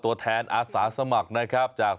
ตามแนวทางศาสตร์พระราชาของในหลวงราชการที่๙